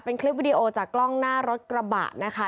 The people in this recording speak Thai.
เป็นคลิปวิดีโอจากกล้องหน้ารถกระบะนะคะ